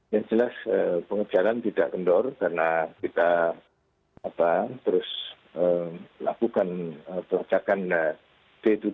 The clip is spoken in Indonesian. yang jelas pengejaran tidak kendor karena kita terus lakukan peracakan day to day